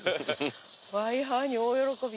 ワイハに大喜び。